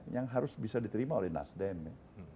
yang harus bisa diterima oleh nasdem